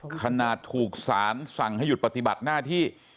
ขนาดถูกสารสั่งให้หยุดปฏิบัติหน้าที่